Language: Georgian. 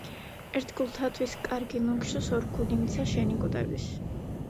ერთგულთათვის კარგი ნუ გშურს, ორგულიმცა შენი კვდების